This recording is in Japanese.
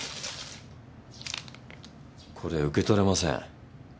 これ受け取れません。